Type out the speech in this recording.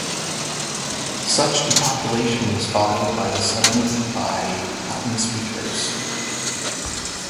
Such depopulation was followed by the settlement by Latin speakers.